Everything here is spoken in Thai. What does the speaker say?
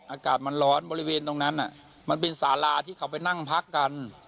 อากาศมันร้อนบริเวณตรงนั้นมันเป็นสาราที่เขาไปนั่งพักกัน